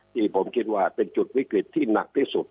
ที่ผมคิดว่าเป็นจุดวิกฤตที่หนักที่สุด